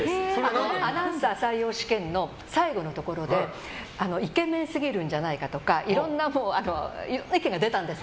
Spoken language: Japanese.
アナウンサー採用試験の最後のところでイケメンすぎるんじゃないかとかいろんな意見が出たんです。